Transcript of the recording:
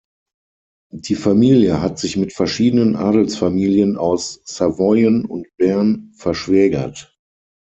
Die Familie hat sich mit verschiedenen Adelsfamilien aus Savoyen und Bern verschwägert.